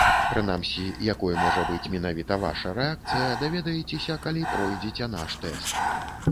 Прынамсі, якой можа быць менавіта ваша рэакцыя, даведаецеся, калі пройдзеце наш тэст.